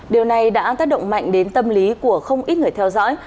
điều này đã tác động mạnh đến tâm lý của không ít người theo dõi